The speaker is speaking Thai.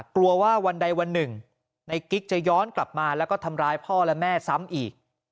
กลัวว่าวันใดวันหนึ่งในกิ๊กจะย้อนกลับมาแล้วก็ทำร้ายพ่อและแม่ซ้ำอีก